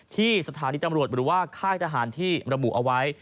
ที่สถานีตำรวจหรือว่าค่ายทหารที่ระบุเอาไว้